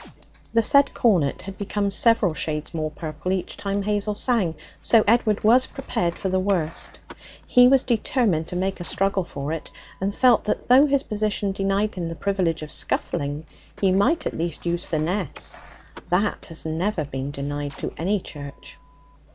The said cornet had become several shades more purple each time Hazel sang, so Edward was prepared for the worst. He was determined to make a struggle for it, and felt that though his position denied him the privilege of scuffling, he might at least use finesse that has never been denied to any Church.